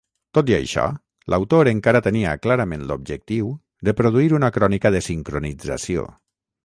Tot i això, l'autor encara tenia clarament l'objectiu de produir una crònica de sincronització.